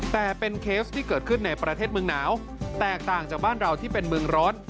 แต่เป็นเคสที่เกิดขึ้นในประเทศเมืองหนาวแตกต่างจากบ้านเราที่เป็นเมืองร้อน